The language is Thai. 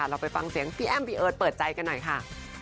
เราไปฟังเสียงพี่แอ้มพี่เอิร์ทเปิดใจกันหน่อยค่ะ